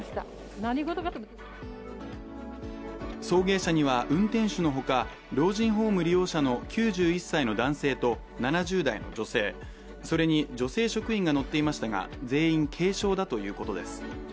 送迎車には運転手のほか老人ホーム利用者の９１歳の男性と７０代の女性、それに女性職員が乗っていましたが全員軽傷だというとです。